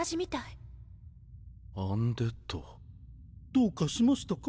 どうかしましたか？